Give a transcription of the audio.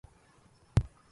نحن هنا يا جمال.